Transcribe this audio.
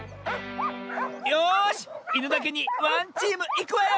よし犬だけにワンチームいくわよ！